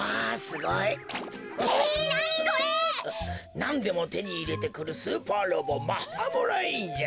なんでもてにいれてくるスーパーロボマッハ・モライーンじゃ。